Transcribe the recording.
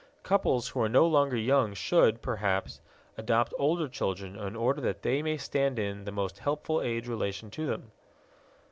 Couples who are no longer young should, perhaps, adopt older children in order that they may stand in the most helpful age relation to them.